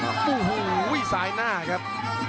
โอ้โหซ้ายหน้าครับ